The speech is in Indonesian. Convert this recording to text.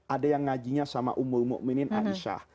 ada yang ngajinya sama ummul mu'minin aisyah